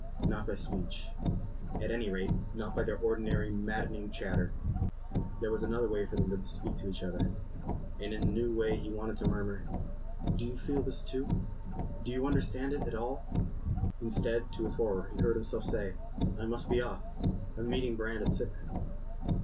Not by speech. At any rate not by their ordinary maddening chatter. There was another way for them to speak to each other, and in the new way he wanted to murmur: "Do you feel this too? Do you understand it at all?" ... Instead, to his horror, he heard himself say: "I must be off; I'm meeting Brand at six."